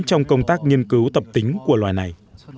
trong công tác nghiên cứu tập tính của loài này